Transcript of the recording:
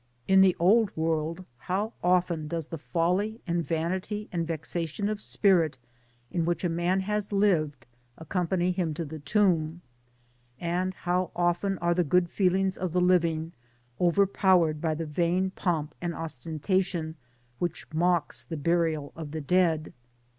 In the old world, how often does the folly and vanity and vexation of spirit in which a man has lived accom pany him to the tomb; and how often are the good feelings of the living overpowered by the vain Digitized byGoogk 88 TOWH OF SUEKOS AIEBS« pomp and ostentation which mock the burial of the dead!